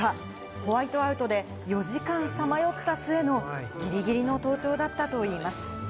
ホワイトアウトで４時間さまよった末のギリギリの登頂だったといいます。